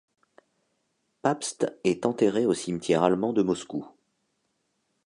Pabst est enterré au cimetière allemand de Moscou.